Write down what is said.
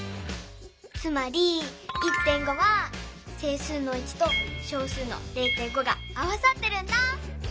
つまり１．５は整数の１と小数の０．５が合わさってるんだ。